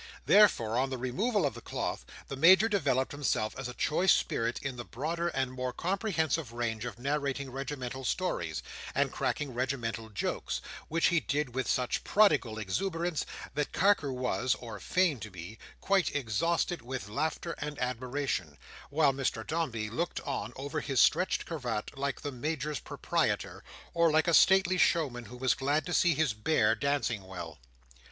Therefore, on the removal of the cloth, the Major developed himself as a choice spirit in the broader and more comprehensive range of narrating regimental stories, and cracking regimental jokes, which he did with such prodigal exuberance, that Carker was (or feigned to be) quite exhausted with laughter and admiration: while Mr Dombey looked on over his starched cravat, like the Major's proprietor, or like a stately showman who was glad to see his bear dancing well.